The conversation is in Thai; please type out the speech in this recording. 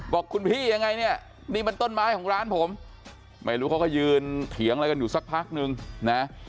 บอกคุณพี่ยังไงเนี่ยนี่มันต้นไม้ของร้านผมไม่รู้เขาก็ยืนเถียงอะไรกันอยู่สักพักนึงนะ